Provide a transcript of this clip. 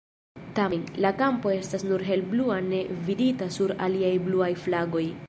Tamen, la kampo estas nur helblua ne vidita sur aliaj bluaj flagoj.